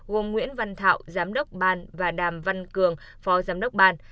gồm nguyễn văn thảo giám đốc ban và đàm văn cường phó giám đốc ban